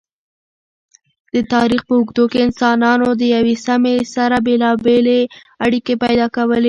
د تاریخ په اوږدو کی انسانانو د یوی سمی سره بیلابیلی اړیکی پیدا کولی